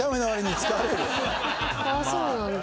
あっそうなんだ。